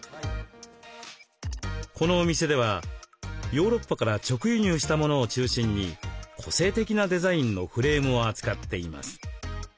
このお店ではヨーロッパから直輸入したものを中心に個性的なデザインのフレームを扱っています。